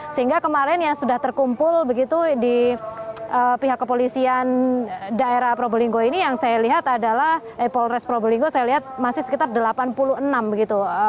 sehingga kemarin yang sudah terkumpul begitu di pihak kepolisian daerah probolinggo ini yang saya lihat adalah polres probolinggo saya lihat masih sekitar delapan puluh enam begitu